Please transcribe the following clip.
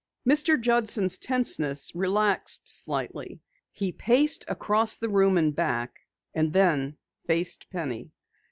Mr. Judson's tenseness relaxed slightly. He paced across the room and back, then faced Penny.